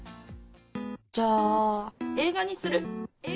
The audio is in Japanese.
じゃあ、映画にする？